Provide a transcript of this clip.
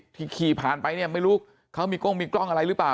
ขี่ผ่านไปเนี่ยไม่รู้เขามีกล้องมีกล้องอะไรหรือเปล่า